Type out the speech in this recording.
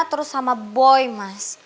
terus sama boy mas